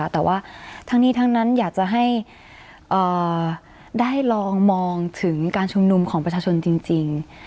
แต่ว่าทั้งนี้ทั้งนั้นอยากจะให้ได้ลองมองถึงการชุมนุมของประชาชนจริง